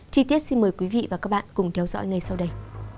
chi tiết xin mời quý vị và các bạn cùng theo dõi ngay sau đây